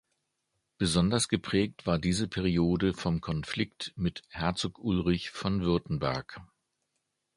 Besonders geprägt war diese Periode vom Konflikt mit Herzog Ulrich von Württemberg.